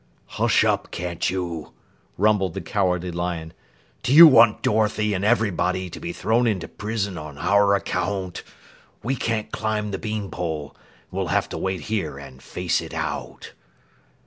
"Hush up, can't you?" rumbled the Cowardly Lion. "Do you want Dorothy and everybody to be thrown into prison on our account? We can't climb the bean pole and will have to wait here and face it out."